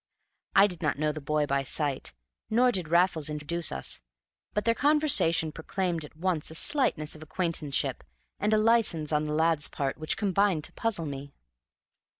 I did not know the boy by sight, nor did Raffles introduce us; but their conversation proclaimed at once a slightness of acquaintanceship and a license on the lad's part which combined to puzzle me.